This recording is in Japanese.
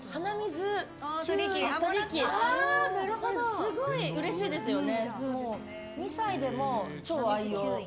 すごいうれしいですよね。